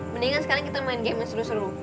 mendingan sekarang kita main game seru seru